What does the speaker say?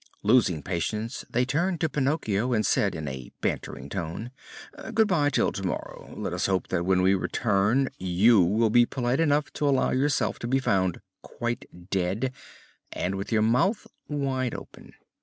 Losing patience, they turned to Pinocchio and said in a bantering tone: "Good bye till tomorrow. Let us hope that when we return you will be polite enough to allow yourself to be found quite dead, and with your mouth wide open."